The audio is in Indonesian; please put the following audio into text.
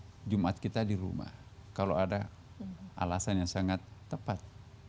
sholat jumat kita di rumah kalau ada alasan yang sangat tepat